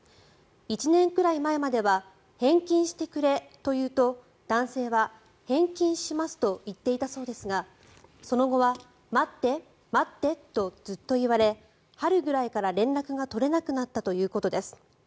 １年くらい前までは返金してくれと言うと、男性は返金しますと言っていたそうですがその後は待って、待ってとずっと言われ春ぐらいから連絡が取れなくなったということです。